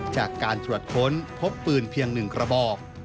จากการตรวจค้นพบปืนเพียง๑กระบอก